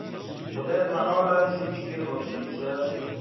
Xwedî Teala jî jê re dibêje.